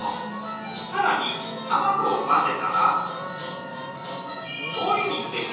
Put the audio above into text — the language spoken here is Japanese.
更に卵を混ぜたら。